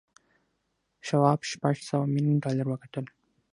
شواب شپږ سوه میلیون ډالر وګټل